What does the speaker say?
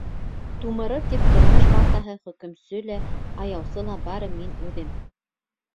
Тумырыр тип тормош балтаһы, Хөкөмсө лә, аяусы ла бары мин үҙем.